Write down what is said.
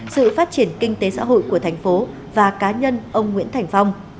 sự phát triển kinh tế xã hội của thành phố và cá nhân ông nguyễn thành phong